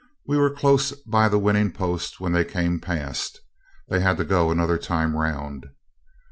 We were close by the winning post when they came past; they had to go another time round.